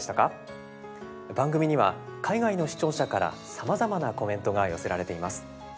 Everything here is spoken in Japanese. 番組には海外の視聴者からさまざまなコメントが寄せられています。